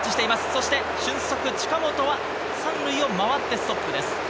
そして俊足・近本は３塁を回ってストップです。